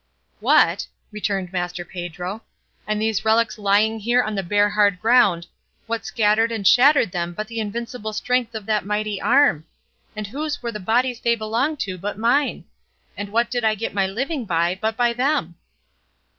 "What!" returned Master Pedro; "and these relics lying here on the bare hard ground what scattered and shattered them but the invincible strength of that mighty arm? And whose were the bodies they belonged to but mine? And what did I get my living by but by them?"